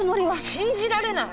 信じられない！